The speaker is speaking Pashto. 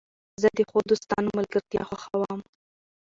زه د ښو دوستانو ملګرتیا خوښوم.